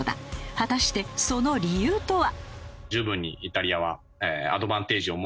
果たしてその理由とは？